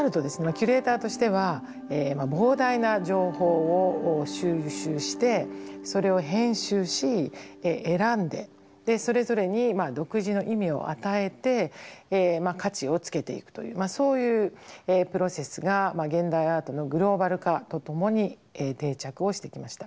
キュレーターとしては膨大な情報を収集してそれを編集し選んでそれぞれに独自の意味を与えて価値をつけていくというそういうプロセスが現代アートのグローバル化とともに定着をしてきました。